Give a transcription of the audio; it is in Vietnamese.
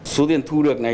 số tiền thu được này